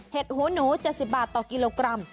หัวหนู๗๐บาทต่อกิโลกรัม